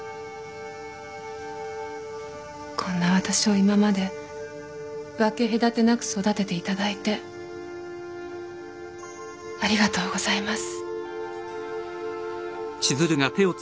こんな私を今まで分け隔てなく育てていただいてありがとうございます。